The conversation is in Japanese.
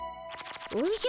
おじゃ？